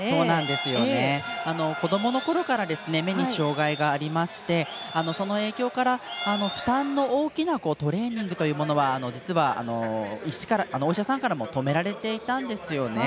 子どものころから目に障がいがありましてその影響から、負担の大きなトレーニングというものは実は、お医者さんからも止められていたんですよね。